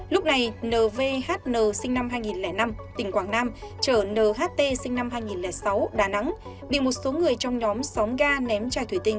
lúc này nvn sinh năm hai nghìn năm tỉnh quảng nam chở nht sinh năm hai nghìn sáu đà nẵng bị một số người trong nhóm sóng ga ném chai thủy tinh